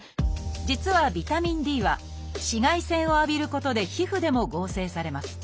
実はビタミンＤは紫外線を浴びることで皮膚でも合成されます。